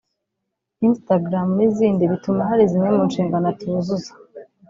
Instagram n’zindi bituma hari zimwe mu nshingano atuzuza